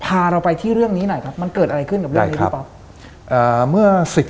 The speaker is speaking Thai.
พาเราไปที่เรื่องนี้หน่อยครับมันเกิดอะไรขึ้นกับเรื่องนี้พี่ป๊อป